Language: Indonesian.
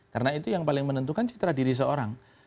karena itu yang paling menentukan citra diri seorang